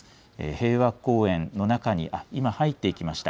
平和公園の中に今、入っていきました。